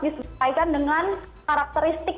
disesuaikan dengan karakteristik